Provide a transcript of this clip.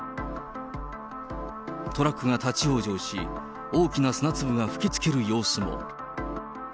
トラックが立往生し、大きな砂粒が吹きつける様子も。